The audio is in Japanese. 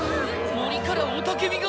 森から雄たけびが！